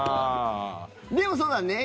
でも、そうだね。